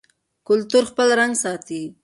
کلتور خپل رنګ ساتي.